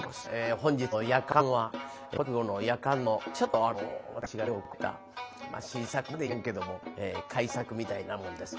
本日の「やかん」は古典落語の「やかん」のちょっとあの私が手を加えた新作までいきませんけども改作みたいなもんです。